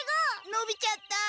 のびちゃった！